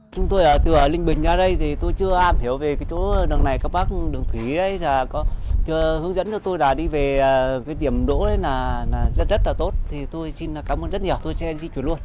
chúng tôi từ linh bình ra đây thì tôi chưa am hiểu về cái chỗ đường này các bác đường thủy có hướng dẫn cho tôi là đi về cái điểm đỗ đấy rất là tốt thì tôi xin cảm ơn rất nhiều tôi sẽ di chuyển luôn